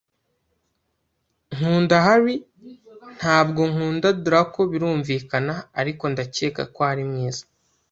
Nkunda Harry, ntabwo nkunda Draco birumvikana, ariko ndacyeka ko ari mwiza.